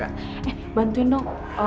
eh bantuin dong